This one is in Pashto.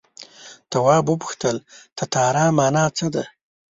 تواب وپوښتل تتارا مانا څه ده.